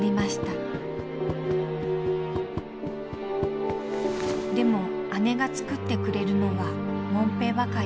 でも姉が作ってくれるのはもんぺばかり。